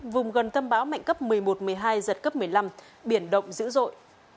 vùng gần tâm bão mạnh cấp một mươi một một mươi hai giật cấp một mươi năm biển động dữ dội